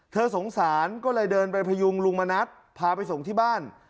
สงสารก็เลยเดินไปพยุงลุงมณัฐพาไปส่งที่บ้าน